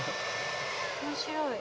面白い。